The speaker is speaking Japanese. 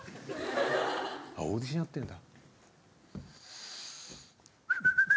あオーディションやってんだ。